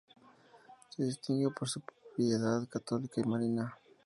Se distinguió por su piedad católica y mariana.